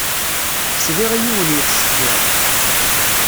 Sliɣ i yiwen yettṣeffiṛ.